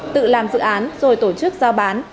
tự làm dự án rồi tổ chức giao bán